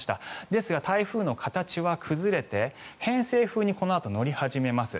ですが、台風の形は崩れて偏西風にこのあと乗り始めます。